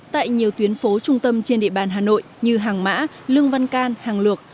tại nhiều tuyến phố trung tâm trên địa bàn hà nội như hàng mã lương văn can hàng luộc